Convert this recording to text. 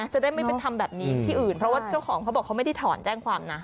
จะได้ไม่ไปทำแบบนี้ที่อื่นเพราะว่าเจ้าของเขาบอกเขาไม่ได้ถอนแจ้งความนะ